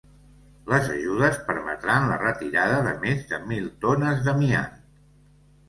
Les ajudes permetran la retirada de més de mil tones d'amiant.